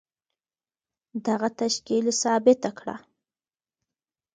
دغه تشکيل ثابته کړه.